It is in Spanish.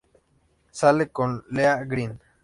Sale con Leah Green.